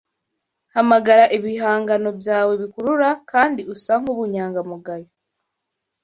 Hamagara ibihangano byawe bikurura kandi usa nkubunyangamugayo